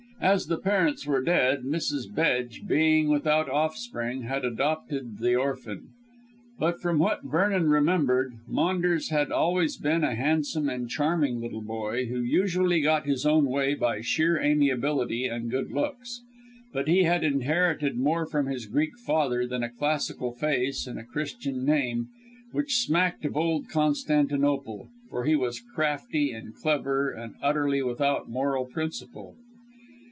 As the parents were dead, Mrs. Bedge, being without offspring, had adopted the orphan. From what Vernon remembered, Maunders had always been a handsome and charming little boy, who usually got his own way by sheer amiability and good looks. But he had inherited more from his Greek father than a classical face and a Christian name which smacked of old Constantinople, for he was crafty and clever, and utterly without moral principle.